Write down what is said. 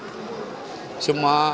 semua kontestan membelanjakan duitnya